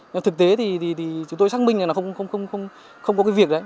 nhưng thực tế thì chúng tôi xác minh này là không có cái việc đấy